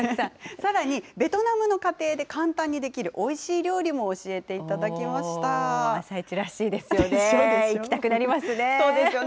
さらにベトナムの家庭で簡単にできるおいしい料理も教えていただあさイチらしいですよね。